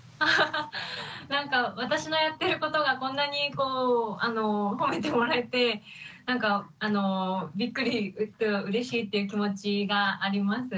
なんか私のやってることがこんなに褒めてもらえてびっくりとうれしいっていう気持ちがあります。